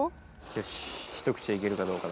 よし一口でいけるかどうかだな。